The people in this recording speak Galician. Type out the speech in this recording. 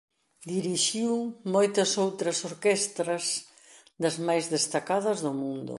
Dirixiu moitas outras orquestras das máis destacadas do mundo.